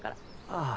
ああ。